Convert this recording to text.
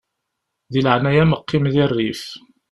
Di leɛnaya-m qqim di rrif.